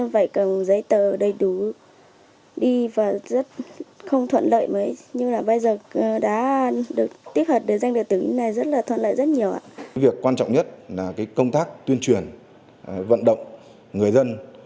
việc quan trọng nhất là công tác tuyên truyền vận động người dân